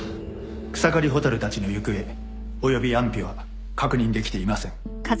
草刈蛍たちの行方および安否は確認できていません。